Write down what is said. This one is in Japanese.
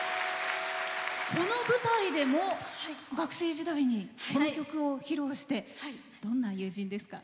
この舞台でも学生時代にこの曲を披露してどんな友人ですか？